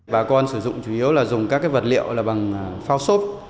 bà con sử dụng chủ yếu là dùng các vật liệu là bằng phao xốp